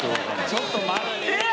ちょっと待ってや。